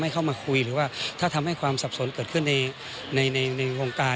เข้ามาคุยหรือว่าถ้าทำให้ความสับสนเกิดขึ้นในในวงการ